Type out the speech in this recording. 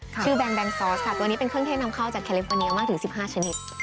ค่ะชื่อแบงแบงซอสค่ะตัวนี้เป็นเครื่องเทศนำข้าวจากแคลิปโฟเนียมาถึงสิบห้าชนิด